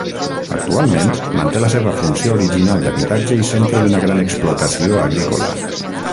Actualment manté la seva funció original d'habitatge i centre d'una gran explotació agrícola.